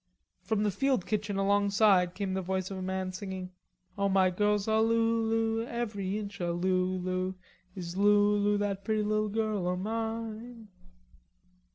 From the field kitchen alongside came the voice of a man singing: "O my girl's a lulu, every inch a lulu, Is Lulu, that pretty lil' girl o' mi ine."